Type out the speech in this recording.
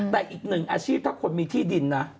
แต่อีกหนึ่งอาชีพถ้าคนมีที่ดินนะ